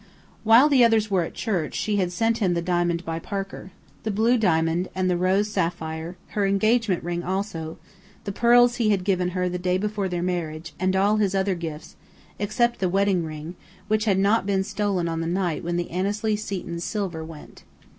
While the others were at church she had sent him the diamond by Parker the blue diamond, and the rose sapphire; her engagement ring also; the pearls he had given her the day before their marriage, and all his other gifts (except the wedding ring), which had not been stolen on the night when the Annesley Setons' silver went.